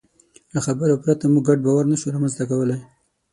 له خبرو پرته موږ ګډ باور نهشو رامنځ ته کولی.